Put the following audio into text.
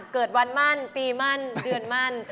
เกิดวันมั่นปีมั่นเดือนมั่น